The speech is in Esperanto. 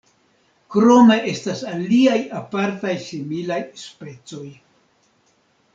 Krome estas aliaj apartaj similaj specoj.